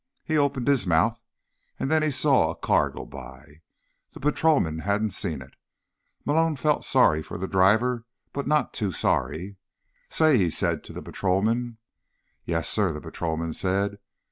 He opened his mouth, and then he saw a car go by. The patrolman hadn't seen it. Malone felt sorry for the driver, but not too sorry. "Say!" he said to the patrolman. "Yes, sir?" the patrolman said.